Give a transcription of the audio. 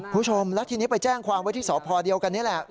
คุณผู้ชมแล้วทีนี้ไปแจ้งความไว้ที่สพเดียวกันนี่แหละ